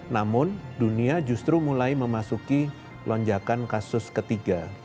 namun dunia justru mulai memasuki lonjakan kasus ketiga